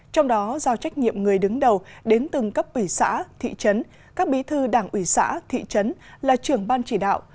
trong đó giao trách nhiệm người đứng đầu đến từng cấp ủy xã thị trấn các bí thư đảng ủy xã thị trấn là trưởng ban chỉ đạo